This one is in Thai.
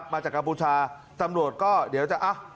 มาจากกัมพูชาตำรวจก็เดี๋ยวจะ